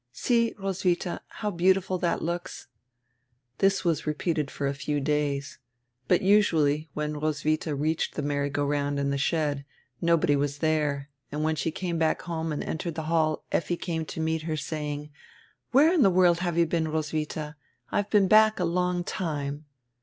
"See, Roswidia, how beautiful that looks." This was repeated for a few days. But usually, when Roswidia reached die merry go round and die shed, nobody was there, and when she came back home and entered die hall Effi came to meet her, saying: "Where in the world have you been, Roswidia? I have been back a long time."